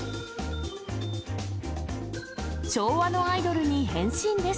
昭和のアイドルに変身です。